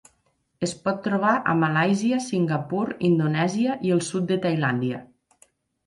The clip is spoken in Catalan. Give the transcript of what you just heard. Es pot trobar a Malàisia, Singapur, Indonèsia i el Sud de Tailàndia.